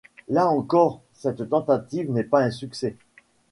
Là encore, cette tentative n'est pas un succès.